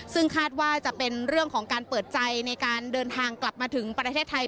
ซึ่งคาดว่าจะเป็นเรื่องของการเปิดใจในการเดินทางกลับมาถึงประเทศไทย